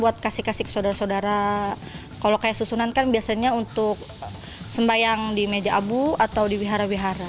buat kasih kasih ke saudara saudara kalau kayak susunan kan biasanya untuk sembahyang di meja abu atau di wihara wihara